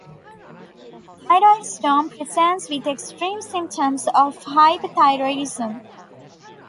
Thyroid storm presents with extreme symptoms of hyperthyroidism.